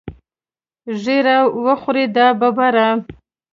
ږیره وخورې دا ببره.